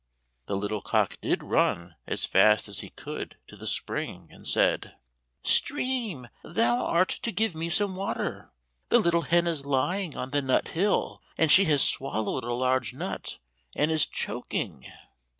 The little cock did run as fast as he could to the spring, and said, "Stream, thou art to give me some water; the little hen is lying on the nut hill, and she has swallowed a large nut, and is choking."